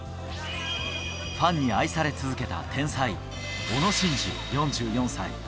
ファンに愛され続けた天才、小野伸二４４歳。